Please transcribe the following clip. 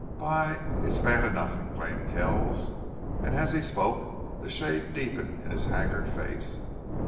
"By , it's bad enough!" exclaimed Kells, and as he spoke the shade deepened in his haggard face.